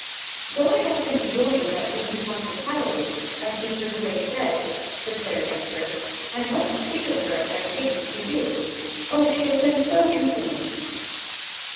"Though I have been enjoying that woman's hospitality, as Mr Grey says," declared Hester, "I must speak of her as I think, to you. Oh, she has been so insolent!"